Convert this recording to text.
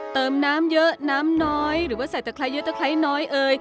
เติมน้ำเยอะน้ำน้อยหรือว่าใส่ตะไครเยอะตะไคร้น้อยเอ่ย